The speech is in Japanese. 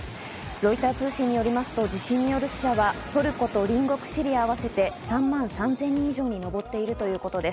ロイター通信によりますと地震による死者は、トルコと隣国シリアを合わせて３万３０００人以上に上っているということです。